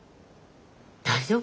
大丈夫？